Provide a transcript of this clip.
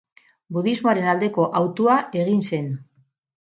Budismoaren aldeko hautua egin zen.